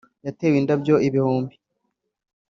yateye indabyo igihumbi